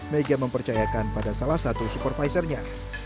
mega mempercayakan pada salah satu supervisornya